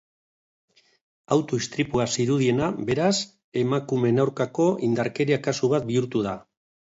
Auto-istripua zirudiena, beraz, emakumeen aurkako indarkeria kasu bat bihurtu da.